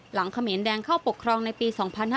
หลังเขมรแดงเข้าปกครองในปี๒๕๑๘